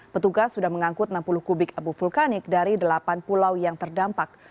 petugas sudah mengangkut enam puluh kubik abu vulkanik dari delapan pulau yang terdampak